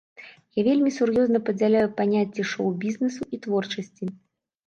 Я вельмі сур'ёзна падзяляю паняцці шоу-бізнесу і творчасці.